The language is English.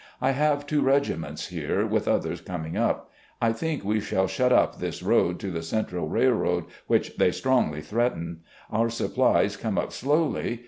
I have two regiments here, with others coming up. I think we shall shut up this road to the Central Railroad which they strongly threaten. Our supplies come up slowly.